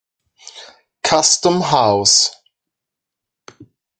Custom House.